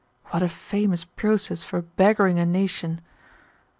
What a famous process for beggaring a nation!